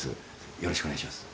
よろしくお願いします。